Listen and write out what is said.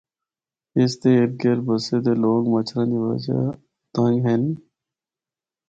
اس دے اردگرد بسے دے لوگ مچھراں دی وجہ تنگ ہن۔